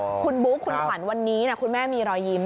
คุณบุ๊คคุณขวัญวันนี้คุณแม่มีรอยยิ้ม